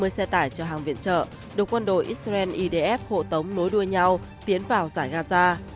ba mươi xe tải chở hàng viện trợ được quân đội israel idf hộ tống nối đuôi nhau tiến vào giải gaza